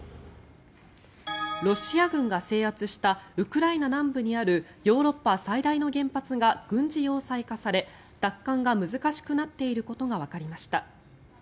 ロシア軍が制圧したウクライナ南部にあるヨーロッパ最大の原発が軍事要塞化され奪還が難しくなっていることがわかりました。